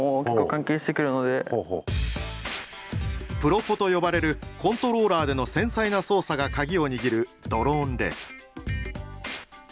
プロポと呼ばれるコントローラーでの繊細な操作が鍵を握るドローンレース。